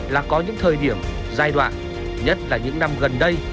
là có những thời điểm giai đoạn nhất là những năm gần đây